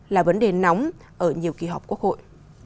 là vấn đề nóng ở nhiều kỳ họp quốc hội